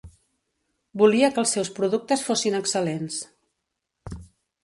Volia que els seus productes fossin excel·lents.